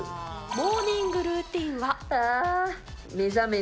モーニングルーティンは？